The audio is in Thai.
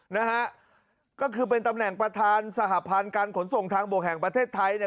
นะฮะก็คือเป็นตำแหน่งประธานสหพันธ์การขนส่งทางบกแห่งประเทศไทยเนี่ย